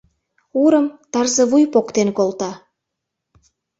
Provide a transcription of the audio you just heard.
Урым Тарзывуй поктен колта.